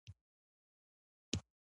هلک د خندا تمثیل دی.